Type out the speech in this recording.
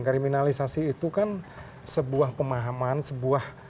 kriminalisasi itu kan sebuah pemahaman sebuah